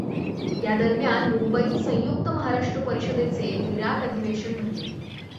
या दरम्यान मुंबईत संयुक्त महाराष्ट्र परिषदे चे विराट अधिवेशन भरले.